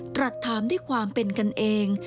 ตรัสถามด้วยความเป็นกันเอง